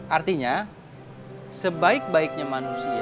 artinya sebaik baiknya manusia